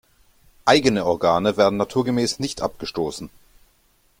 Eigene Organe werden naturgemäß nicht abgestoßen.